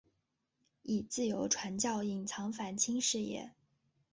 以自由传教隐藏反清事业。